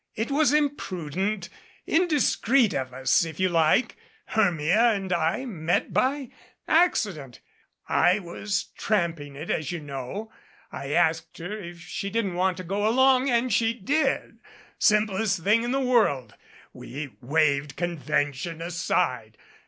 It was imprudent, indiscreet of us, if you like. Hermia and I met by accident. I was tramping it as you know. I asked her if she didn't want to go along, and she did. Simplest thing in the world. We waved convention aside.